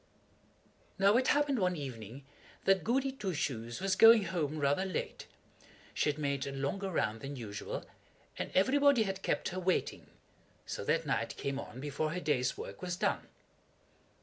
Now it happened one evening that Goody Two Shoes was going home rather late. She had made a longer round than usual, and everybody had kept her waiting, so that night came on before her day's work was done.